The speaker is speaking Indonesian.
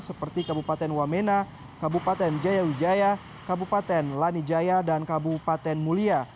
seperti kabupaten wamena kabupaten jaya wijaya kabupaten lanijaya dan kabupaten mulia